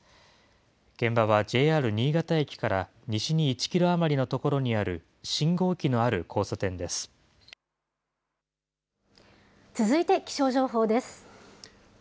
現場はＪＲ新潟駅から西に１キロ余りの所にある信号機のある交差続いて気象情報です。